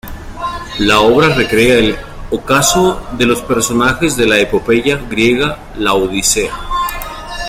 La obra recrea el ocaso de los personajes de la epopeya griega "La Odisea".